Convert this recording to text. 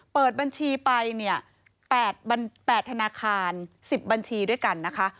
เปิดบัญชีไปเนี่ย๘ธนาคาร๑๐บัญชีด้วยกันนะคะ